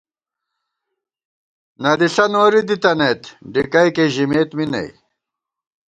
نہ دِݪہ نوری دِتَنَئیت ، ڈِکَئیکے ژِمېت می نئ